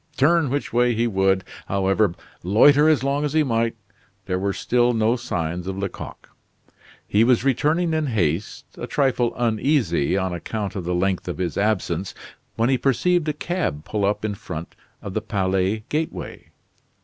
Turn which way he would, however, loiter as long as he might, there were still no signs of Lecoq. He was returning in haste, a trifle uneasy on account of the length of his absence, when he perceived a cab pull up in front of the Palais gateway.